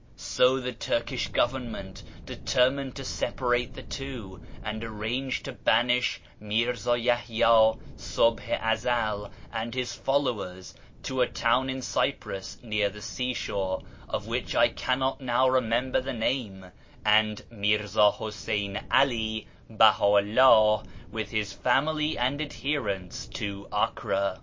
So the Turkish Govern ment determined to separate the two, and arranged to banish Mirza Yahya {8ubh i Ezel) and his followers to a town in Cyprus near the sea shore, of which I cannot now remember the name, and Mirza Huseyn 'Ali {BcluCu Ulah), with his family and adherents, to Acre.